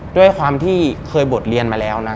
ด้วยความที่เคยบทเรียนมาแล้วนะ